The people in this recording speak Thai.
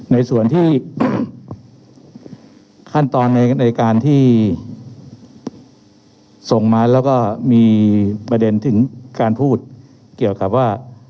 ในส่วนที่ขั้นตอนในการที่ส่งมาแล้วก็มีประเด็นถึงการพูดเกี่ยวกับว่า